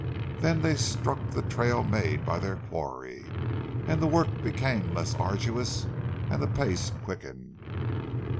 Then they struck the trail made by their quarry and the work became less arduous and the pace quickened.